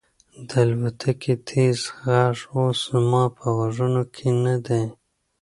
د الوتکې تېز غږ اوس زما په غوږونو کې نه دی.